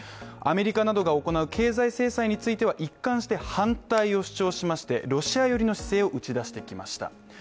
アメリカなどが行う経済制裁については、一貫して反対を主張しましてロシア寄りの姿勢を打ち出してきました。